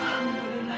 alhamdulillah ya allah